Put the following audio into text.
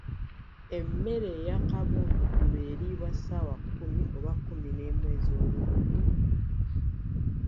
Emmere eyakabundugulu eriibwa ssaawa kkumi oba kumineemu ez'olweggulo.